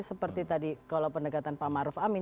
seperti tadi kalau pendekatan pak maruf amin